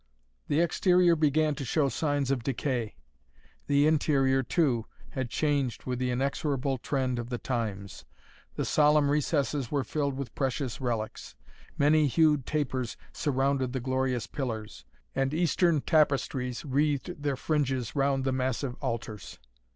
The exterior began to show signs of decay. The interior, too, had changed with the inexorable trend of the times. The solemn recesses were filled with precious relics. Many hued tapers surrounded the glorious pillars, and eastern tapestries wreathed their fringes round the massive altars.